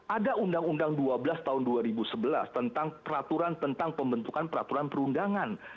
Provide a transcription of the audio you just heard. ada undang undang dua belas tahun dua ribu sebelas tentang peraturan tentang pembentukan peraturan perundangan